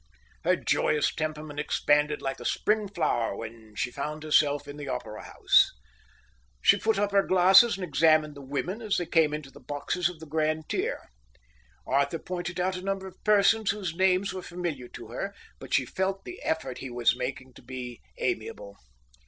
Her joyous temperament expanded like a spring flower when she found herself in the Opera House. She put up her glasses and examined the women as they came into the boxes of the Grand Tier. Arthur pointed out a number of persons whose names were familiar to her, but she felt the effort he was making to be amiable.